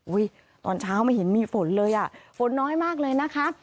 ตอนเช้าไม่เห็นมีฝนเลยอ่ะฝนน้อยมากเลยนะคะ